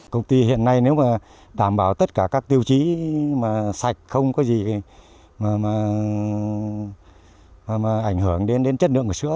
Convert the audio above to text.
công ty hiện nay nếu mà đảm bảo tất cả các tiêu chí mà sạch không có gì ảnh hưởng đến đến chất lượng của sữa